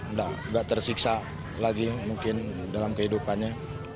nggak tersiksa lagi mungkin dalam kehidupannya